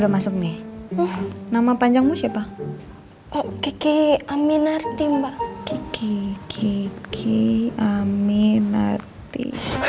udah masuk nih nama panjang musik oh kiki amin arti mbak kiki kiki amin arti